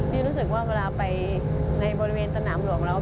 พี่รู้สึกว่าเวลาไปในบริเวณตนอำรวมแล้ว